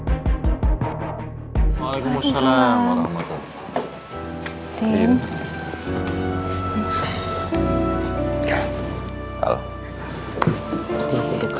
terima kasih tuhan